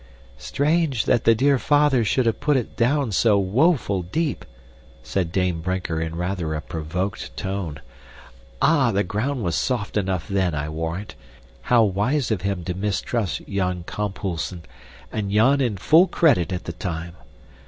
"Strange that the dear father should have put it down so woeful deep," said Dame Brinker in rather a provoked tone. "Ah, the ground was soft enough then, I warrant. How wise of him to mistrust Jan Kamphuisen, and Jan in full credit at the time.